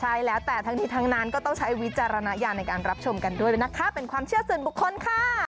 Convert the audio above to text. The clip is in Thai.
ใช่แล้วแต่ทั้งนี้ทั้งนั้นก็ต้องใช้วิจารณญาณในการรับชมกันด้วยนะคะเป็นความเชื่อส่วนบุคคลค่ะ